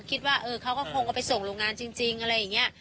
คิดว่าเขาก็คงเอาไปส่งโรงงานจริงอะไรอย่างนี้